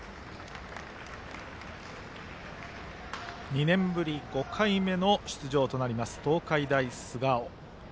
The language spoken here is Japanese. ２年ぶり５回目の出場となります東海大菅生。